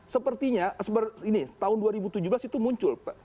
sepertinya tahun dua ribu tujuh belas itu muncul